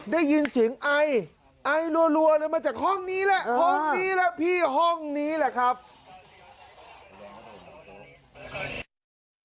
ได้ยินเสียงไอไอรัวเลยมาจากห้องนี้แหละห้องนี้แหละพี่ห้องนี้แหละครับ